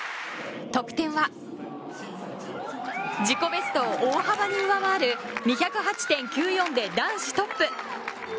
得点は自己ベストを大幅に上回る２０８．９４で男子トップ。